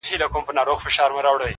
څوك به اخلي د پېړيو كساتونه؛